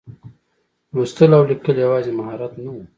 لوستل او لیکل یوازې مهارت نه و.